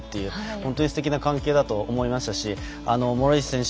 本当にすてきな関係だと思いましたし諸石選手